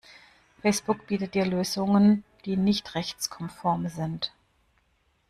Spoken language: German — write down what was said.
Facebook bietet dir Lösungen die nicht rechtskonform sind.